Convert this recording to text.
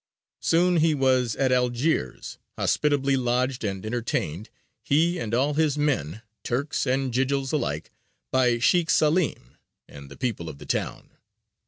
Soon he was at Algiers, hospitably lodged and entertained, he and all his men, Turks and Jījilis alike, by Sheykh Salim and the people of the town.